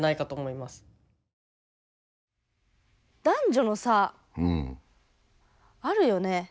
男女の差あるよね。